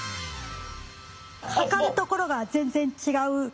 測るところが全然違う。